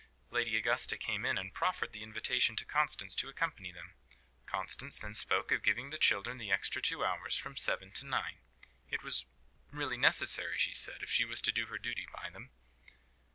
Lady Augusta came in and proffered the invitation to Constance to accompany them. Constance then spoke of giving the children the extra two hours, from seven to nine: it was really necessary, she said, if she was to do her duty by them.